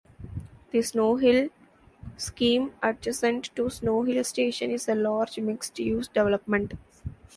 The Snowhill scheme adjacent to Snow Hill station is a large mixed-use development.